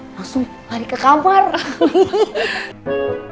langsung lari ke kamar alhamdulillah